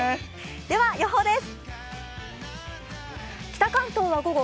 では、予報です。